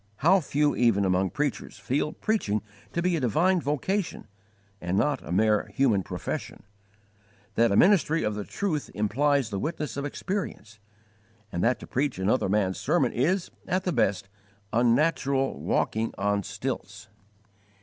How few even among preachers feel preaching to be a divine vocation and not a mere human profession; that a ministry of the truth implies the witness of experience, and that to preach another man's sermon is, at the best, unnatural walking on stilts!